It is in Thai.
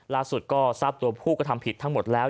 ล่าสุดก็ทราบตัวผู้กระทำผิดทั้งหมดแล้ว